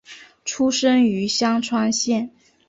出身于香川县。